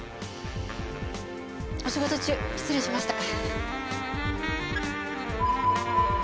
お仕事中失礼しました。